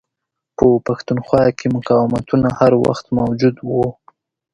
په پښتونخوا کې مقاوتونه هر وخت موجود وه.